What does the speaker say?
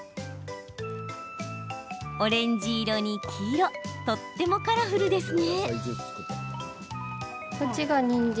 オレンジ色に黄色とてもカラフルですね。